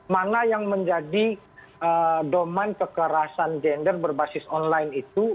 mana yang menjadi domain kekerasan gender berbasis online itu